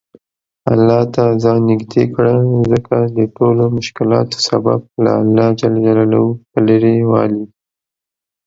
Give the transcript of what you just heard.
الله ته ځان نیژدې کړه ځکه دټولومشکلاتو سبب له الله ج په لرې والي